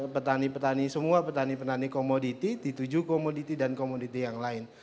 petani petani semua petani petani komoditi dituju komoditi dan komoditi yang lain